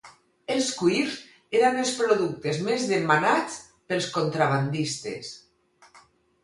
Els cuirs eren els productes més demanats pels contrabandistes.